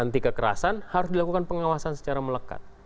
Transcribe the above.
antikekerasan harus dilakukan pengawasan secara melekat